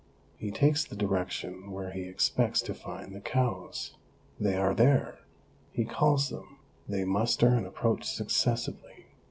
He takes the direction where he expects to find the cows. They are there. He calls them ; they muster and approach successively.